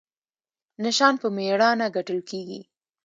نشان په میړانه ګټل کیږي